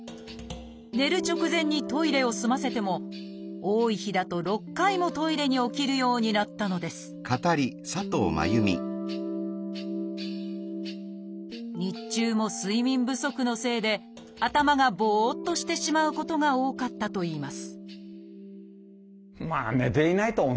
寝る直前にトイレを済ませても多い日だと６回もトイレに起きるようになったのです日中も睡眠不足のせいで頭がぼっとしてしまうことが多かったといいます